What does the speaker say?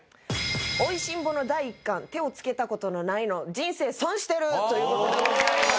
「『美味しんぼ』の第１巻手を付けた事のないの人生損してる！」という事でございます。